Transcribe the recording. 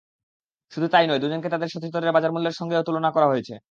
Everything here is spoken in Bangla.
শুধু তা–ই নয়, দুজনকে তাঁদের সতীর্থদের বাজারমূল্যের সঙ্গেও তুলনা করা হয়েছে।